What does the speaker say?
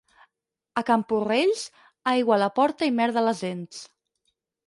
A Camporrells, aigua a la porta i merda a les dents.